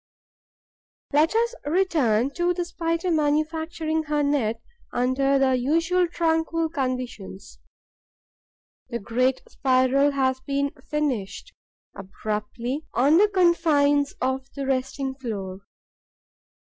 Let us return to the Spider manufacturing her net under the usual tranquil conditions. The great spiral has been finished, abruptly, on the confines of the resting floor.